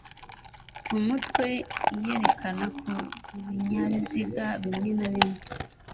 Umutwe iyerekana ku binyabiziga bimwe na bimwe